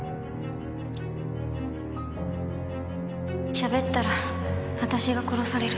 喋ったら私が殺される。